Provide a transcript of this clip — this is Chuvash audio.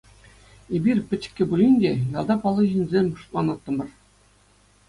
Эпир, пӗчӗккӗ пулин те, ялта паллӑ ҫынсем шутланаттӑмӑр.